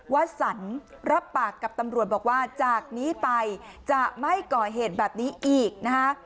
วสันรับปากกับตำรวจบอกว่าจากนี้ไปจะไม่ก่อเหตุแบบนี้อีกนะคะ